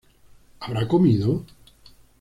¿Habrá comido?